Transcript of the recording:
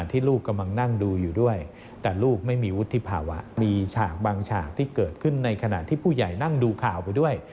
ที่เกิดขึ้นในขณะที่ผู้ใหญ่นั่งดูข่าวไปด้วย